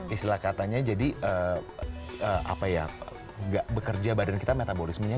istilah katanya jadi bekerja badan kita metabolismenya